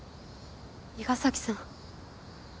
伊賀崎さん。